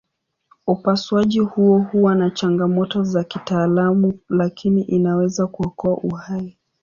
Upasuaji huo huwa na changamoto za kitaalamu lakini inaweza kuokoa uhai.